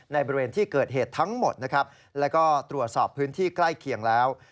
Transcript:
ในบริเวณที่เกิดเหตุทั้งหมดและตรวจสอบพื้นที่ใกล้เคียงแล้ว